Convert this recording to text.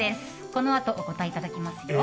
このあとお答えいただきますよ。